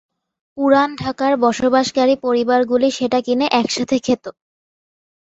পুরান ঢাকার বসবাসকারী পরিবারগুলি সেটা কিনে একসাথে খেত।